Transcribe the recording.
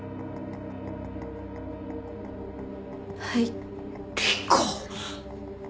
はい。